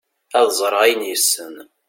ad ẓreɣ ayen yessen